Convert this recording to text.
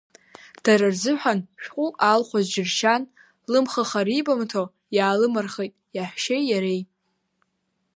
Дара рзыҳәан шәҟәык аалхәаз џьыршьан, лымхыха рибамҭо иаалымырхит иаҳәшьеи иареи.